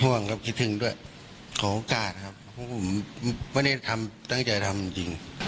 ห่วงครับคิดถึงด้วยขอโอกาสครับไม่ได้นำใจทำจริง